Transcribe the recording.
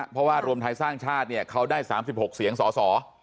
เพราะว่ารวมไทยสร้างชาติเนี่ยเขาได้๓๖เสียงสส